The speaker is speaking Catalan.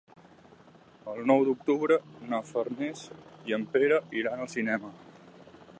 El nou d'octubre na Farners i en Pere iran al cinema.